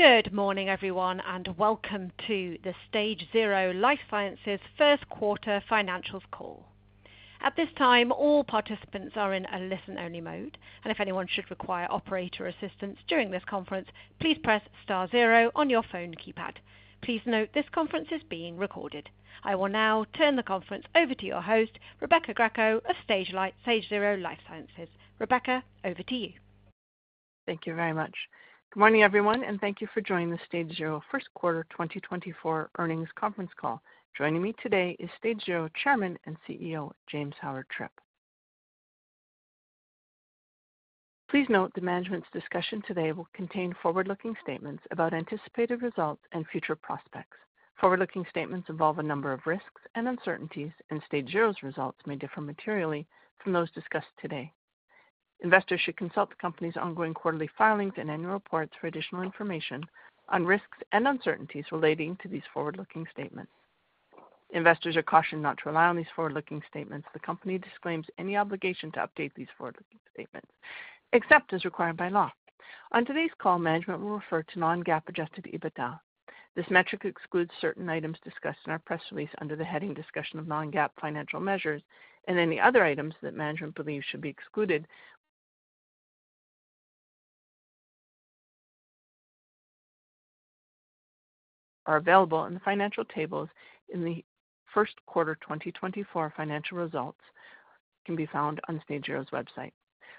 Good morning, everyone, and welcome to the StageZero Life Sciences first quarter financials call. At this time, all participants are in a listen-only mode, and if anyone should require operator assistance during this conference, please press star zero on your phone keypad. Please note, this conference is being recorded. I will now turn the conference over to your host, Rebecca Greco of StageZero Life Sciences. Rebecca, over to you. Thank you very much. Good morning, everyone, and thank you for joining the StageZero first quarter 2024 earnings conference call. Joining me today is StageZero Chairman and CEO, James Howard-Tripp. Please note, the management's discussion today will contain forward-looking statements about anticipated results and future prospects. Forward-looking statements involve a number of risks and uncertainties, and StageZero's results may differ materially from those discussed today. Investors should consult the company's ongoing quarterly filings and annual reports for additional information on risks and uncertainties relating to these forward-looking statements. Investors are cautioned not to rely on these forward-looking statements. The company disclaims any obligation to update these forward-looking statements, except as required by law. On today's call, management will refer to non-GAAP adjusted EBITDA. This metric excludes certain items discussed in our press release under the heading "Discussion of Non-GAAP Financial Measures," and any other items that management believes should be excluded. They are available in the financial tables in the first quarter 2024 financial results, can be found on StageZero's website.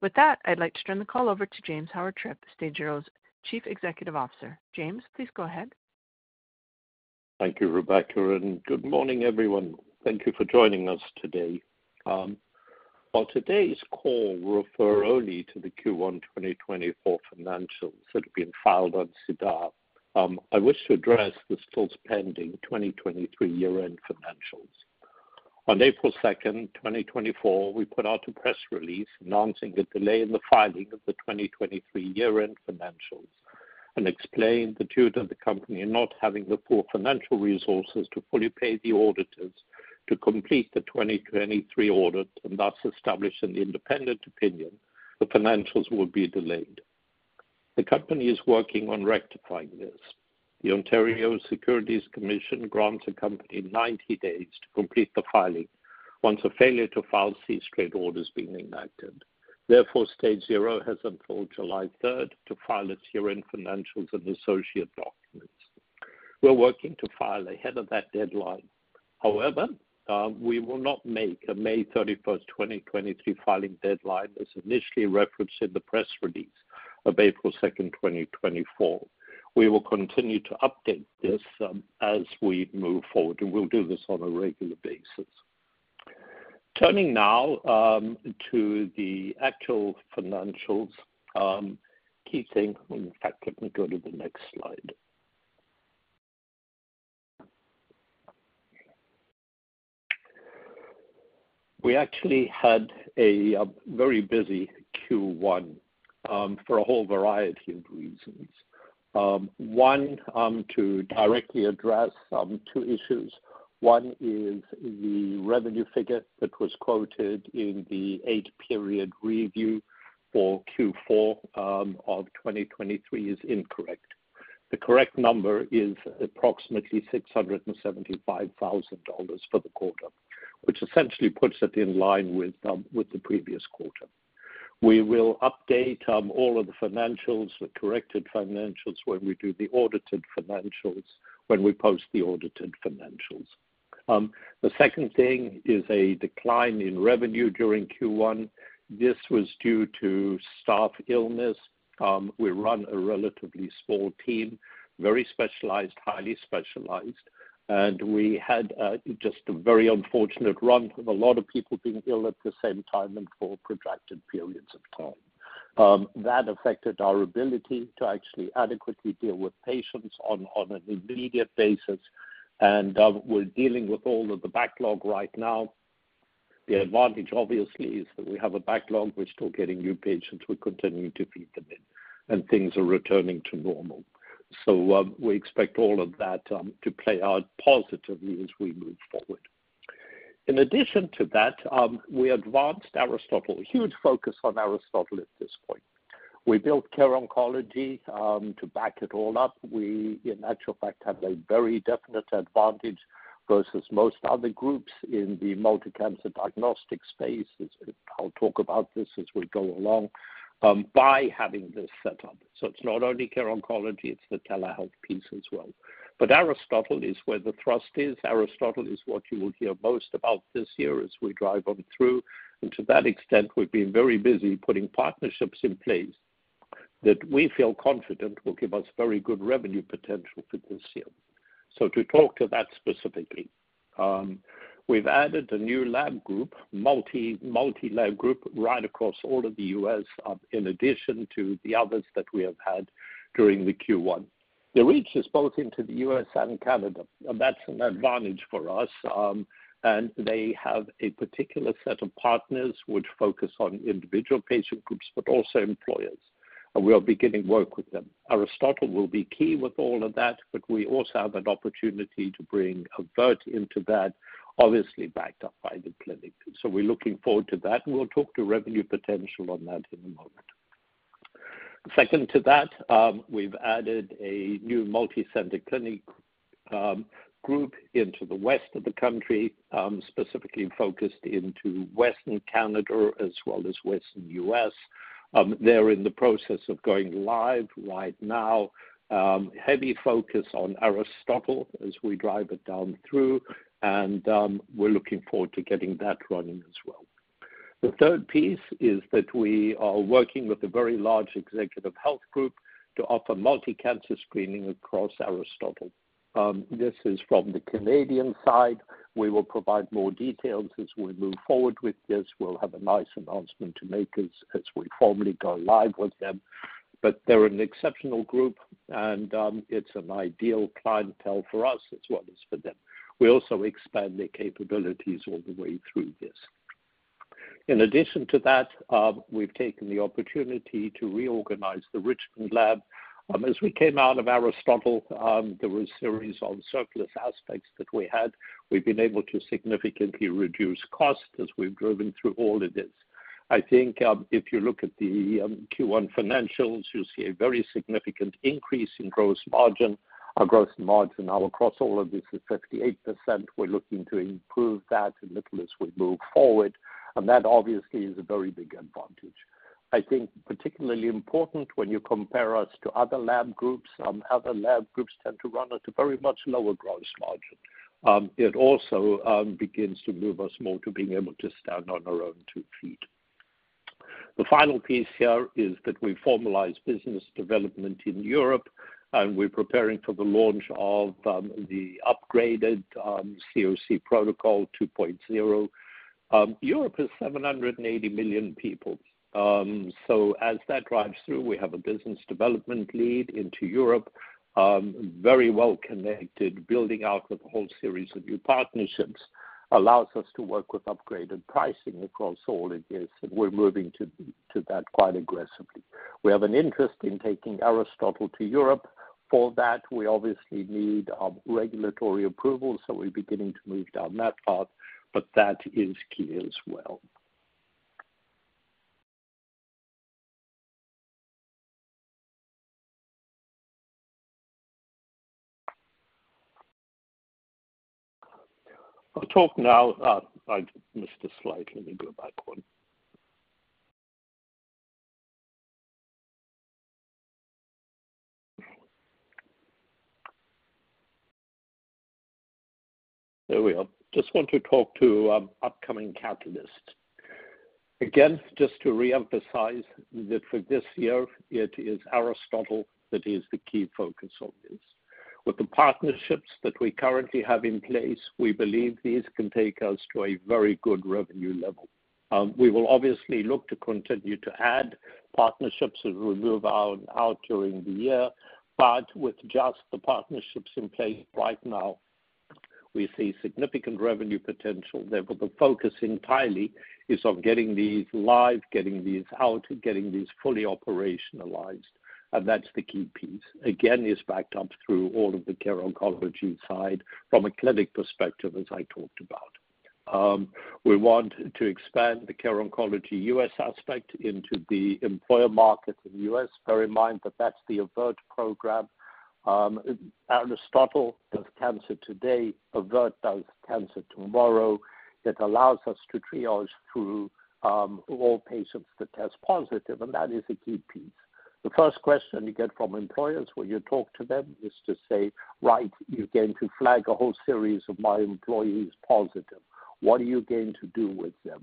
With that, I'd like to turn the call over to James Howard-Tripp, StageZero's Chief Executive Officer. James, please go ahead. Thank you, Rebecca, and good morning, everyone. Thank you for joining us today. On today's call, we'll refer only to the Q1 2024 financials that have been filed on SEDAR. I wish to address the still pending 2023 year-end financials. On April 2nd, 2024, we put out a press release announcing a delay in the filing of the 2023 year-end financials, and explained the tune of the company in not having the full financial resources to fully pay the auditors to complete the 2023 audit, and thus establishing the independent opinion, the financials will be delayed. The company is working on rectifying this. The Ontario Securities Commission grants a company 90 days to complete the filing, once a failure to file cease trade order has been enacted. Therefore, StageZero has until July 3rd to file its year-end financials and associated documents. We're working to file ahead of that deadline. However, we will not make a May 31st, 2023, filing deadline, as initially referenced in the press release of April 2nd, 2024. We will continue to update this, as we move forward, and we'll do this on a regular basis. Turning now to the actual financials. In fact, let me go to the next slide. We actually had a very busy Q1 for a whole variety of reasons. One, to directly address two issues. One is the revenue figure that was quoted in the 8-K for Q4 of 2023 is incorrect. The correct number is approximately $675,000 for the quarter, which essentially puts it in line with the previous quarter. We will update all of the financials, the corrected financials, when we do the audited financials, when we post the audited financials. The second thing is a decline in revenue during Q1. This was due to staff illness. We run a relatively small team, very specialized, highly specialized, and we had just a very unfortunate run with a lot of people being ill at the same time and for protracted periods of time. That affected our ability to actually adequately deal with patients on an immediate basis, and we're dealing with all of the backlog right now. The advantage, obviously, is that we have a backlog. We're still getting new patients. We're continuing to feed them in, and things are returning to normal. So we expect all of that to play out positively as we move forward. In addition to that, we advanced Aristotle. Huge focus on Aristotle at this point. We built Care Oncology to back it all up. We, in actual fact, have a very definite advantage versus most other groups in the multi-cancer diagnostic space, as—I'll talk about this as we go along, by having this set up. So it's not only Care Oncology, it's the telehealth piece as well. But Aristotle is where the thrust is. Aristotle is what you will hear most about this year as we drive on through, and to that extent, we've been very busy putting partnerships in place that we feel confident will give us very good revenue potential for this year. So to talk to that specifically, we've added a new lab group, multi-lab group, right across all of the U.S., in addition to the others that we have had during the Q1. The reach is both into the U.S. and Canada, and that's an advantage for us, and they have a particular set of partners which focus on individual patient groups, but also employers, and we are beginning work with them. Aristotle will be key with all of that, but we also have an opportunity to bring Avert into that, obviously backed up by the clinic. So we're looking forward to that, and we'll talk to revenue potential on that in a moment. Second to that, we've added a new multi-center clinic group into the west of the country, specifically focused into Western Canada as well as Western U.S. They're in the process of going live right now. Heavy focus on Aristotle as we drive it down through, and, we're looking forward to getting that running as well. The third piece is that we are working with a very large executive health group to offer multi-cancer screening across Aristotle. This is from the Canadian side. We will provide more details as we move forward with this. We'll have a nice announcement to make as we formally go live with them. But they're an exceptional group, and, it's an ideal clientele for us as well as for them. We also expand their capabilities all the way through this. In addition to that, we've taken the opportunity to reorganize the Richmond lab. As we came out of Aristotle, there was a series of surplus aspects that we had. We've been able to significantly reduce costs as we've driven through all of this. I think, if you look at the Q1 financials, you'll see a very significant increase in gross margin. Our gross margin now across all of this is 58%. We're looking to improve that a little as we move forward, and that obviously is a very big advantage. I think particularly important when you compare us to other lab groups, other lab groups tend to run at a very much lower gross margin. It also begins to move us more to being able to stand on our own two feet. The final piece here is that we formalize business development in Europe, and we're preparing for the launch of the upgraded COC Protocol 2.0. Europe is 780 million people. So as that drives through, we have a business development lead into Europe, very well connected, building out a whole series of new partnerships, allows us to work with upgraded pricing across all it is, and we're moving to that quite aggressively. We have an interest in taking Aristotle to Europe. For that, we obviously need regulatory approval, so we're beginning to move down that path, but that is key as well. I'll talk now... I missed a slide. Let me go back one. There we are. Just want to talk to upcoming catalysts. Again, just to reemphasize that for this year, it is Aristotle that is the key focus of this. With the partnerships that we currently have in place, we believe these can take us to a very good revenue level. We will obviously look to continue to add partnerships as we move on out during the year, but with just the partnerships in place right now, we see significant revenue potential. Therefore, the focus entirely is on getting these live, getting these out, and getting these fully operationalized, and that's the key piece. Again, it's backed up through all of the Care Oncology side from a clinic perspective, as I talked about. We want to expand the Care Oncology U.S. aspect into the employer market in the U.S. Bear in mind that that's the Avert program. Aristotle does cancer today, Avert does cancer tomorrow. It allows us to triage through all patients that test positive, and that is a key piece. The first question you get from employers when you talk to them is to say, "Right, you're going to flag a whole series of my employees positive. What are you going to do with them?"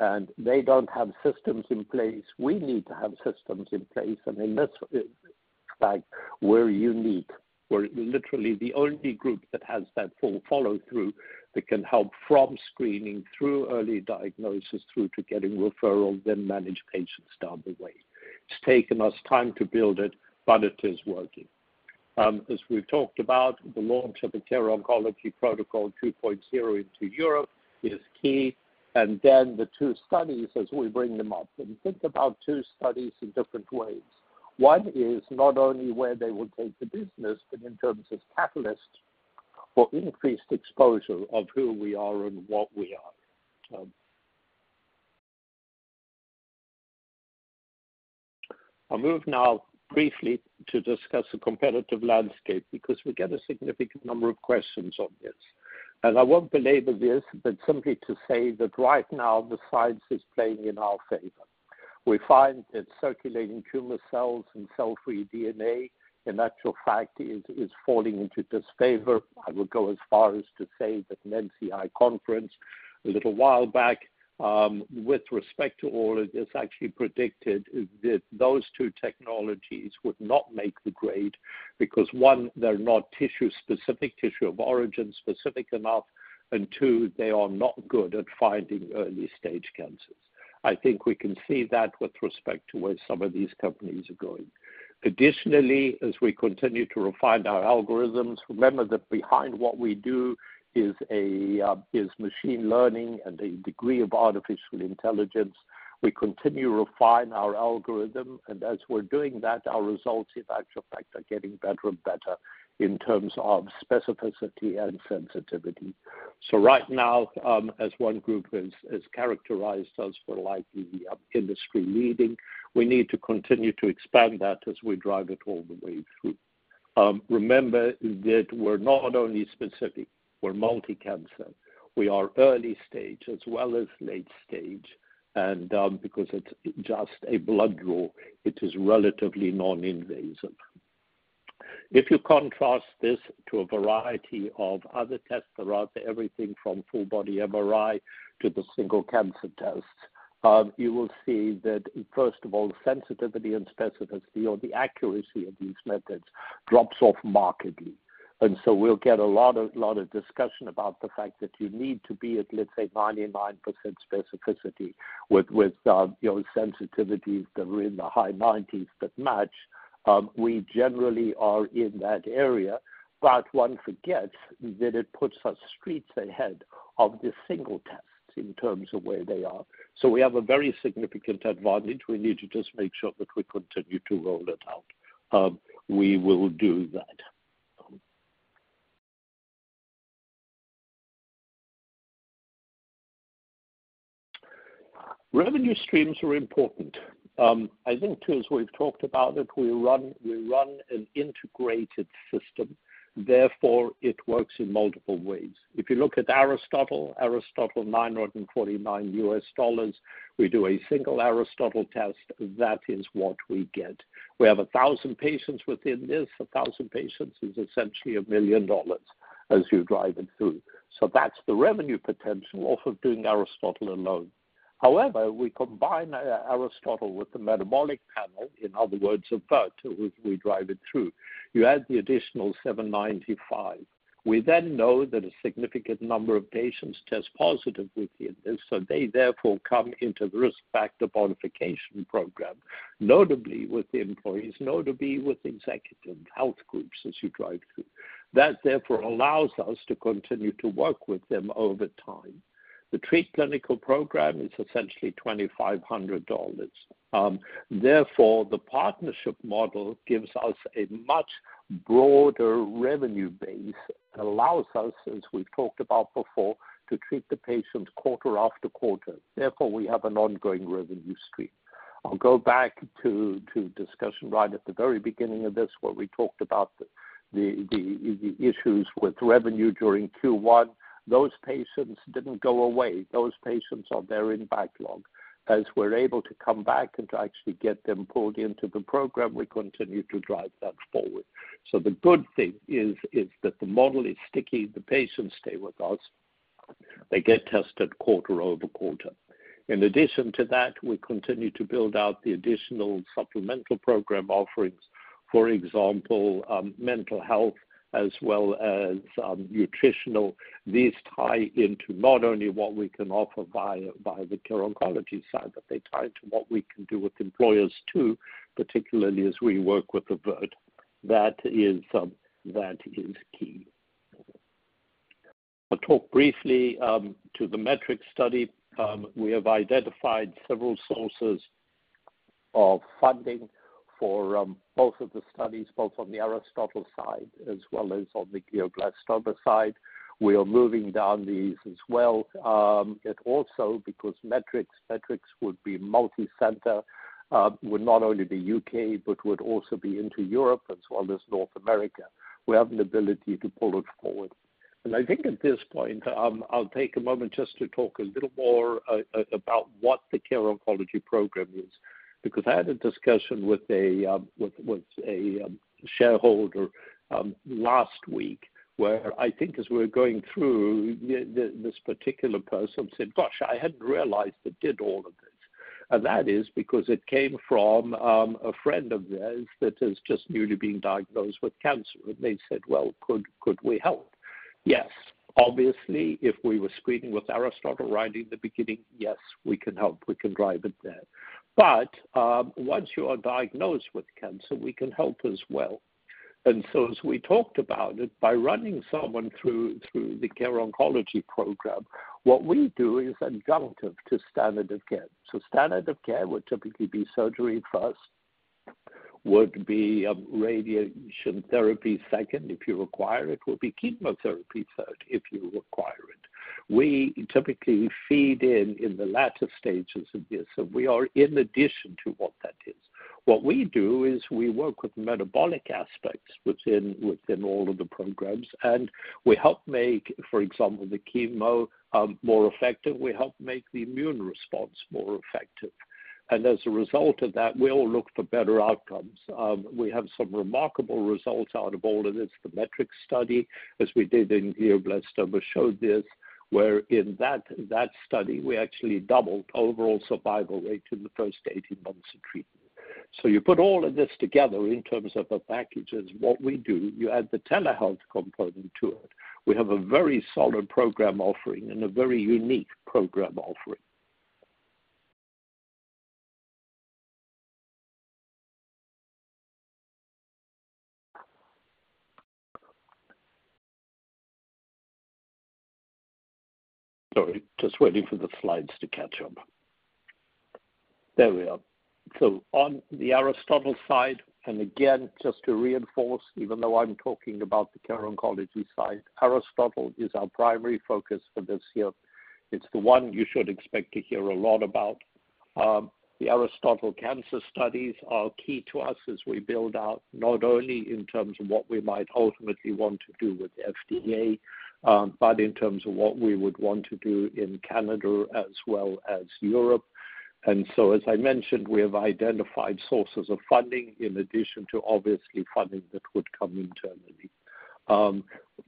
And they don't have systems in place. We need to have systems in place, and in this, like, we're unique. We're literally the only group that has that full follow-through, that can help from screening through early diagnosis, through to getting referrals, then manage patients down the way. It's taken us time to build it, but it is working. As we've talked about, the launch of the Care Oncology Protocol 2.0 into Europe is key, and then the two studies as we bring them up. And think about two studies in different ways. One is not only where they will take the business, but in terms of catalyst for increased exposure of who we are and what we are. I'll move now briefly to discuss the competitive landscape because we get a significant number of questions on this. And I won't belabor this, but simply to say that right now, the science is playing in our favor. We find that circulating tumor cells and cell-free DNA, in actual fact, is falling into disfavor. I would go as far as to say that an NCI conference a little while back, with respect to all of this, actually predicted that those two technologies would not make the grade. Because, one, they're not tissue-specific, tissue of origin-specific enough, and two, they are not good at finding early-stage cancers. I think we can see that with respect to where some of these companies are going. Additionally, as we continue to refine our algorithms, remember that behind what we do is machine learning and a degree of artificial intelligence. We continue to refine our algorithm, and as we're doing that, our results, in actual fact, are getting better and better in terms of specificity and sensitivity... So right now, as one group has characterized us, for likely we are industry leading, we need to continue to expand that as we drive it all the way through. Remember that we're not only specific, we're multi-cancer. We are early stage as well as late stage, and because it's just a blood draw, it is relatively non-invasive. If you contrast this to a variety of other tests, there are everything from full body MRI to the single cancer tests, you will see that first of all, sensitivity and specificity or the accuracy of these methods drops off markedly. And so we'll get a lot of, lot of discussion about the fact that you need to be at, let's say, 99% specificity with, with, you know, sensitivities that are in the high 90s that match. We generally are in that area, but one forgets that it puts us streets ahead of the single tests in terms of where they are. So we have a very significant advantage. We need to just make sure that we continue to roll it out. We will do that. Revenue streams are important. I think as we've talked about it, we run an integrated system, therefore, it works in multiple ways. If you look at Aristotle, $949, we do a single Aristotle test, that is what we get. We have 1,000 patients within this. 1,000 patients is essentially $1 million as you drive it through. So that's the revenue potential off of doing Aristotle alone. However, we combine Aristotle with the metabolic panel, in other words, Avert, we drive it through. You add the additional $795. We then know that a significant number of patients test positive with this, so they therefore come into the risk factor modification program, notably with the employees, notably with the executive health groups as you drive through. That therefore allows us to continue to work with them over time. The Treat clinical program is essentially $2,500. Therefore, the partnership model gives us a much broader revenue base and allows us, as we've talked about before, to treat the patients quarter after quarter. Therefore, we have an ongoing revenue stream. I'll go back to discussion right at the very beginning of this, where we talked about the issues with revenue during Q1. Those patients didn't go away. Those patients are there in backlog. As we're able to come back and to actually get them pulled into the program, we continue to drive that forward. So the good thing is that the model is sticky. The patients stay with us. They get tested quarter over quarter. In addition to that, we continue to build out the additional supplemental program offerings, for example, mental health as well as nutritional. These tie into not only what we can offer by the Care Oncology side, but they tie into what we can do with employers, too, particularly as we work with Avert. That is, that is key. I'll talk briefly to the METRICS study. We have identified several sources of funding for both of the studies, both on the Aristotle side as well as on the glioblastoma side. We are moving down these as well. It also because METRICS would be multicenter, would not only be UK, but would also be into Europe as well as North America. We have an ability to pull it forward. And I think at this point, I'll take a moment just to talk a little more about what the Care Oncology Program is, because I had a discussion with a shareholder last week, where I think as we're going through the this particular person said, "Gosh, I hadn't realized it did all of this." And that is because it came from a friend of theirs that has just newly been diagnosed with cancer. And they said, "Well, could we help?" Yes. Obviously, if we were screening with Aristotle right in the beginning, yes, we can help. We can drive it there. But once you are diagnosed with cancer, we can help as well. And so as we talked about it, by running someone through the Care Oncology Program, what we do is adjunctive to standard of care. So standard of care would typically be surgery first, would be radiation therapy second, if you require it, would be chemotherapy third, if you require it. We typically feed in in the latter stages of this, so we are in addition to what that is. What we do is we work with metabolic aspects within all of the programs, and we help make, for example, the chemo more effective. We help make the immune response more effective. And as a result of that, we all look for better outcomes. We have some remarkable results out of all of this, the METRICS study, as we did in glioblastoma, showed this, where in that study, we actually doubled overall survival rate in the first 18 months of treatment. So you put all of this together in terms of the packages. What we do, you add the telehealth component to it. We have a very solid program offering and a very unique program offering. Sorry, just waiting for the slides to catch up.... There we are. So on the Aristotle side, and again, just to reinforce, even though I'm talking about the Care Oncology side, Aristotle is our primary focus for this year. It's the one you should expect to hear a lot about. The Aristotle cancer studies are key to us as we build out, not only in terms of what we might ultimately want to do with the FDA, but in terms of what we would want to do in Canada as well as Europe. And so, as I mentioned, we have identified sources of funding in addition to obviously funding that would come internally.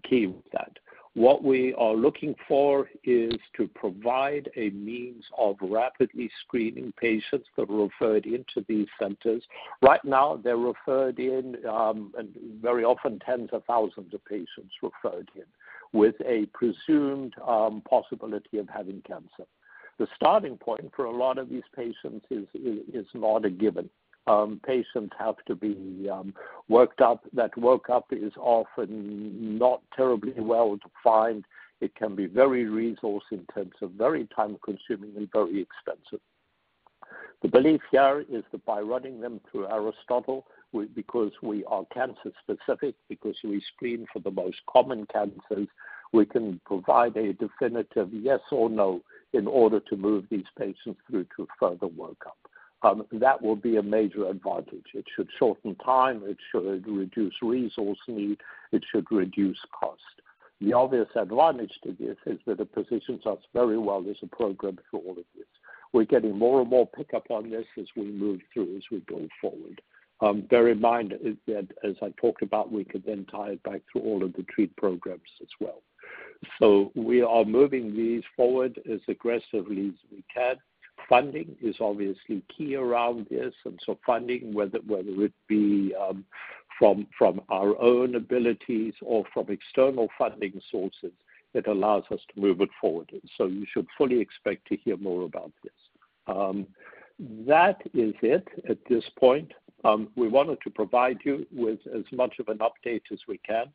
Key with that, what we are looking for is to provide a means of rapidly screening patients that are referred into these centers. Right now, they're referred in, and very often tens of thousands of patients referred in, with a presumed possibility of having cancer. The starting point for a lot of these patients is not a given. Patients have to be worked up. That workup is often not terribly well defined. It can be very resource-intensive in terms of very time-consuming and very expensive. The belief here is that by running them through Aristotle, we, because we are cancer specific, because we screen for the most common cancers, we can provide a definitive yes or no in order to move these patients through to further workup. That will be a major advantage. It should shorten time, it should reduce resource need, it should reduce cost. The obvious advantage to this is that it positions us very well as a program for all of this. We're getting more and more pickup on this as we move through, as we go forward. Bear in mind is that, as I talked about, we could then tie it back to all of the treat programs as well. So we are moving these forward as aggressively as we can. Funding is obviously key around this, and so funding, whether it be from our own abilities or from external funding sources, it allows us to move it forward. So you should fully expect to hear more about this. That is it at this point. We wanted to provide you with as much of an update as we can.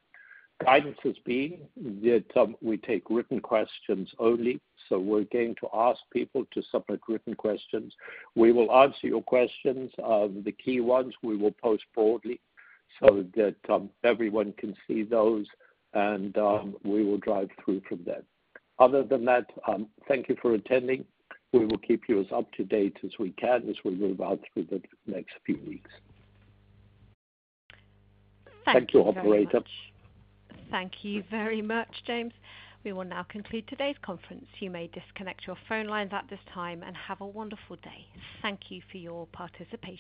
Guidance has been that we take written questions only, so we're going to ask people to submit written questions. We will answer your questions. The key ones we will post broadly so that everyone can see those, and we will drive through from there. Other than that, thank you for attending. We will keep you as up to date as we can, as we move out through the next few weeks. Thank you, Operator. Thank you very much, James. We will now conclude today's conference. You may disconnect your phone lines at this time and have a wonderful day. Thank you for your participation.